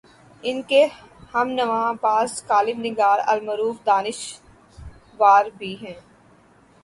ان کے ہم نوا بعض کالم نگار المعروف دانش ور بھی ہیں۔